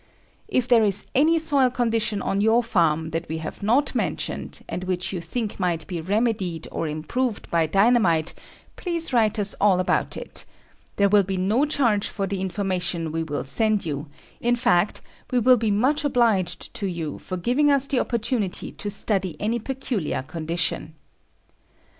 If there is any soil condition on your farm that we have not mentioned, and which you think might be remedied or improved by dynamite, please write us all about it. There will be no charge for the information we will send you; in fact, we will be much obliged to you for giving us the opportunity to study any peculiar condition.